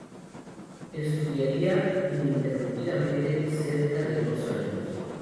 Estudiaría ininterrumpidamente cerca de dos años.